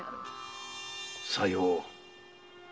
さよう。